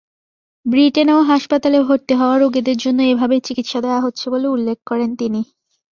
ব্রিটেনেও হাসপাতালে ভর্তি হওয়া রোগীদের জন্য এভাবেই চিকিৎসা দেয়া হচ্ছে বলে উল্লেখ করেন তিনি।